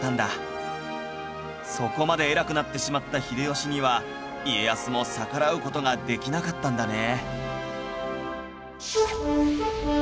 そこまで偉くなってしまった秀吉には家康も逆らう事ができなかったんだね